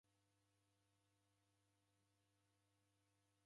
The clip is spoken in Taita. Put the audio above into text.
Navika kavui